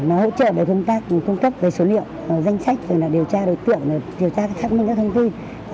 nó hỗ trợ bởi công tác cung cấp về số liệu danh sách điều tra đối tượng điều tra các thông tin